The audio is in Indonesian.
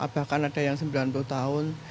bahkan ada yang sembilan puluh tahun